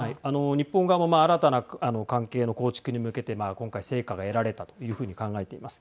日本側も新たな関係の構築に向けて今回、成果が得られたというふうに考えています。